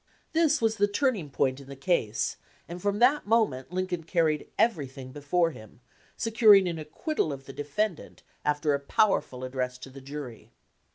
This was the turning point in the case, and from that moment Lincoln carried everything before him, securing an acquittal of the defendant after a powerful address to the jury.